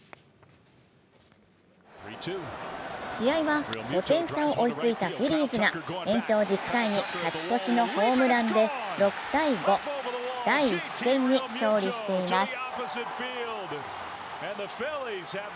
試合は５点差を追いついたフィリーズが延長１０回に勝ち越しのホームランで６−５、第１戦に勝利しています。